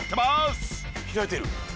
「開いてる！」